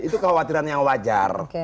itu kekhawatiran yang wajar